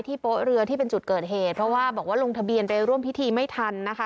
โป๊ะเรือที่เป็นจุดเกิดเหตุเพราะว่าบอกว่าลงทะเบียนไปร่วมพิธีไม่ทันนะคะ